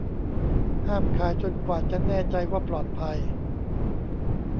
ห้ามขายจนกว่าจะแน่ใจว่าปลอดภัย